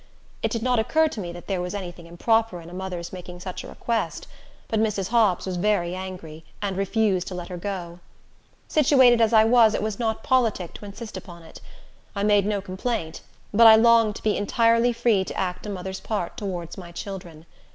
It did not occur to me that there was any thing improper in a mother's making such a request; but Mrs. Hobbs was very angry, and refused to let her go. Situated as I was, it was not politic to insist upon it. I made no complaint, but I longed to be entirely free to act a mother's part towards my children.